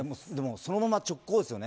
そのまま直行ですよね